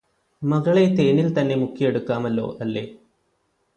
മകളെ തേനിൽ തന്നെ മുക്കിയെടുക്കാമല്ലോ അല്ലേ